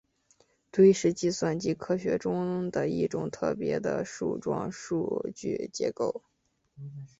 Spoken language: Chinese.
堆是计算机科学中的一种特别的树状数据结构。